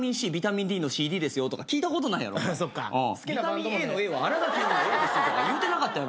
ビタミンＡのＡは新垣結衣のＡですとか言うてなかったやろ。